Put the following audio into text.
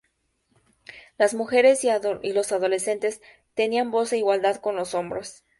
Las mujeres y los adolescentes tenía voz en igualdad con los hombres.